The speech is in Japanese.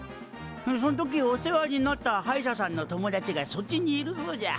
そん時お世話になった歯医者さんの友達がそっちにいるそうじゃ。